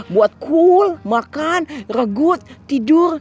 buat cool makan regut tidur